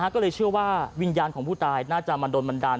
ก็เลยเชื่อว่าวิญญาณของผู้ตายน่าจะมาโดนบันดาล